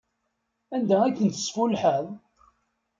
Anda ay ten-tesfullḥeḍ?